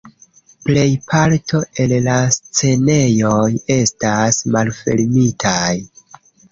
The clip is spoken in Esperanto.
Plejparto el la scenejoj estas malfermitaj.